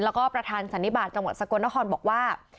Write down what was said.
แล้วก็ประธานสันนิบาทจังหวัดสกลนครบอกว่า